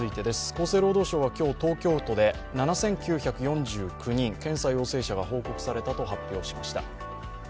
厚生労働省は今日東京都で７９４９人、検査陽性者が報告されたと発表しました。